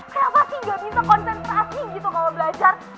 kenapa sih nggak bisa konsentrasi gitu kalau belajar